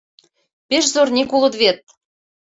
— Пеш зорник улыт вет!